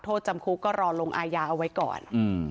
โทษจำคุกก็รอลงอาญาเอาไว้ก่อน